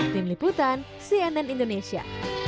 tim liputan cnn indonesia